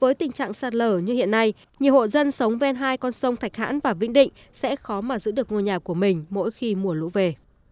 với tình trạng sạt lở như hiện nay nhiều hộ dân sống ven hai con sông thạch hãn và vĩnh định sẽ khó mà giữ được ngôi nhà của mình mỗi khi mùa lũ về